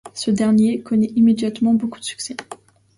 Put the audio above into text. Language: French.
Ce dernier connaît immédiatement beaucoup de succès.